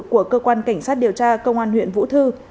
của cơ quan cảnh sát điều tra công an huyện vũ thư